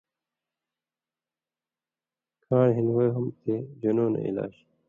کھاݩر ہِن وہم تے جُنونَیں علاج